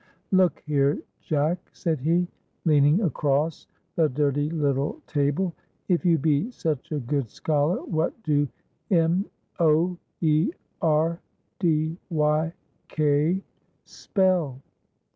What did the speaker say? "Look here, Jack," said he, leaning across the dirty little table; "if you be such a good scholar, what do M O E R D Y K spell?"